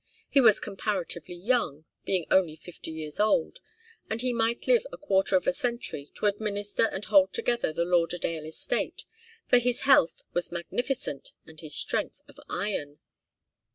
He was comparatively young, being only fifty years old, and he might live a quarter of a century to administer and hold together the Lauderdale estate, for his health was magnificent and his strength of iron.